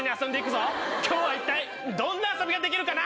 今日はいったいどんな遊びができるかな？